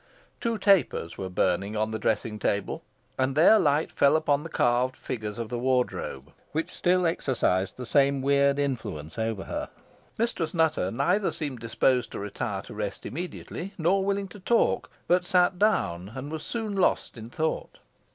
Two tapers were burning on the dressing table, and their light fell upon the carved figures of the wardrobe, which still exercised the same weird influence over her. Mistress Nutter neither seemed disposed to retire to rest immediately, nor willing to talk, but sat down, and was soon lost in thought.